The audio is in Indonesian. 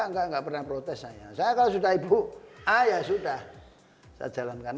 tidak tidak pernah protes saya saya kalau sudah ibu ya sudah saya jalankan